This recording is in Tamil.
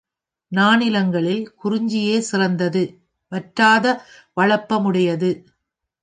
நானிலங்களில் குறிஞ்சியே சிறந்தது வற்றாத வளப்பமுடையது.